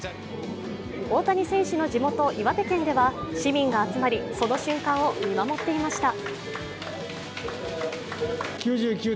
大谷選手の地元・岩手県では、市民が集まりその瞬間を見守っていました。